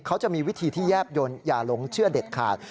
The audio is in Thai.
เขาจะมีวิธีที่แยบยนต์อย่าหลงเชื่อเด็ดขาด